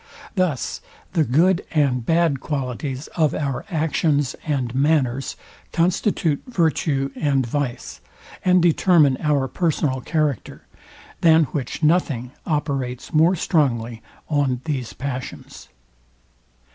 Thus the good and bad qualities of our actions and manners constitute virtue and vice, and determine our personal character, than which nothing operates more strongly on these passions.